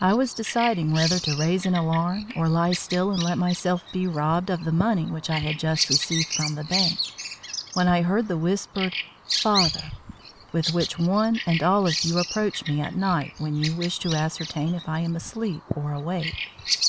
I was deciding whether to raise an alarm or lie still and let myself be robbed of the money which I had just received from the bank, when I heard the whispered "Father" with which one and all of you approach me at night when you wish to ascertain if I am asleep or awake.